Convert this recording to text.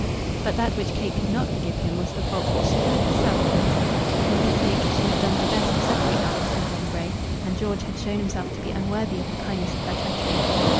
But that which Kate could not forgive him was the fault which she had herself committed. For his sake she had done her best to separate Alice and John Grey, and George had shown himself to be unworthy of the kindness of her treachery.